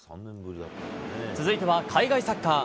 続いては海外サッカー。